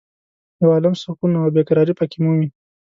یو عالم سکون او بې قرارې په کې مومې.